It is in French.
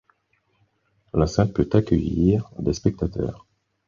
L'enceinte peut accueillir spectateurs.